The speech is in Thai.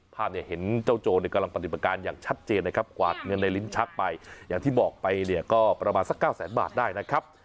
ภาพเนี่ยเห็นเจ้าโจรกำลังปฏิบัติการอย่างชัดเจนนะครับกวาดเงินในลิ้นชักไปอย่างที่บอกไปเนี่ยก็ประมาณสักเก้าแสนบาทได้นะครับ